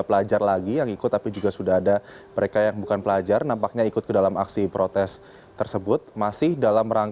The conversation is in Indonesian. lagi misalnya di tentang